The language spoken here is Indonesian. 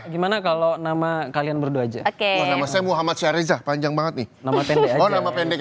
gimana kalau nama kalian berdua aja oke nama saya muhammad syarizah panjang banget nih nama tenda oh nama pendek